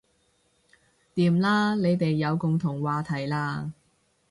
掂啦你哋有共同話題喇